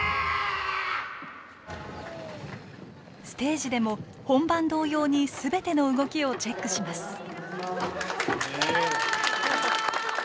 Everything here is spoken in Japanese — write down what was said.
ステージでも本番同様にすべての動きをチェックします。